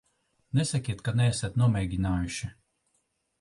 Nesakiet, ka neesat nomēģinājuši.